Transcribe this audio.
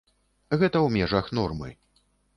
Гэта ў межах нормы.